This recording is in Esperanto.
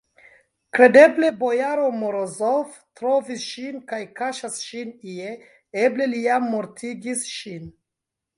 Kredeble, bojaro Morozov trovis ŝin kaj kaŝas ŝin ie, eble li jam mortigis ŝin!